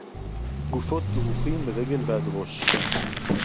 גּוּפוֹת דְּרוּכִים מְרַגֵּל וְעַד רֹאשׁ